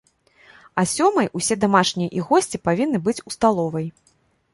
А сёмай усе дамашнія і госці павінны быць у сталовай.